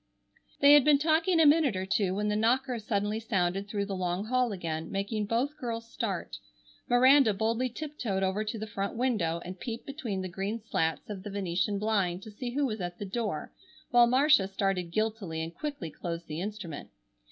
They had been talking a minute or two when the knocker suddenly sounded through the long hall again making both girls start. Miranda boldly tiptoed over to the front window and peeped between the green slats of the Venetian blind to see who was at the door, while Marcia started guiltily and quickly closed the instrument.